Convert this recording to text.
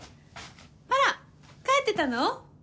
あら帰ってたの？